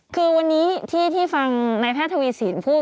คือวันนี้ที่ฟังนายแพทย์ทวีสินพูด